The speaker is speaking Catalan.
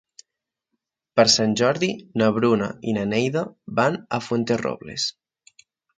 Per Sant Jordi na Bruna i na Neida van a Fuenterrobles.